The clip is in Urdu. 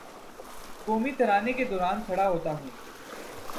قومی ترانے کے دوراں کھڑا ہوتا ہوں